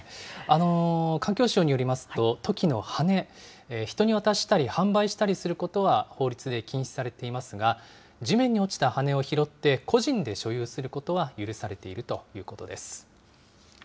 環境省によりますと、トキの羽根、人に渡したり販売したりすることは法律で禁止されていますが、地面に落ちた羽根を拾って個人で所有することは許されているということです。